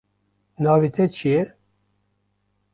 Navê te çi ye?